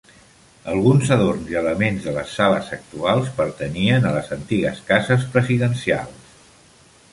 Alguns adorns i elements de les sales actuals pertanyien a les antigues cases presidencials.